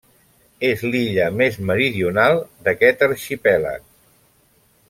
És l'illa més meridional d'aquest arxipèlag.